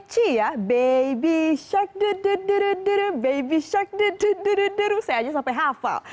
kecil ya baby shark dudududududu baby shark dududududu saya aja sampai hafal